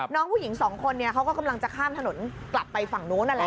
น้องผู้หญิงสองคนเนี่ยเขาก็กำลังจะข้ามถนนกลับไปฝั่งนู้นนั่นแหละ